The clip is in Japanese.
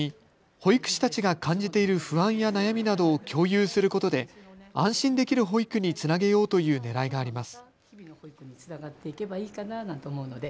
保育士たちが感じている不安や悩みなどを共有することで安心できる保育につなげようというねらいがあります。